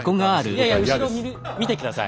いやいや後ろ見て下さい。